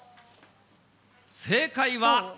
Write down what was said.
正解は。